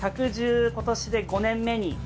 １１０今年で５年目に。